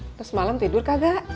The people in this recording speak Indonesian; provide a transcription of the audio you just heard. terus malam tidur kagak